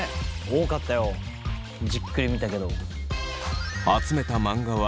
多かったよじっくり見たけど。